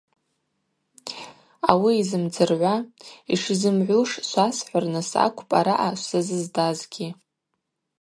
Ауи йзымдзыргӏвуа, йшизымгӏвуш швасхӏвырныс акӏвпӏ араъа швзазызддазгьи.